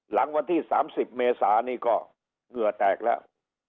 หลังวันที่๓๐เมษานี่ก็เหงื่อแตกแล้ว